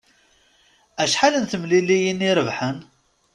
Acḥal n temliliyin i rebḥen?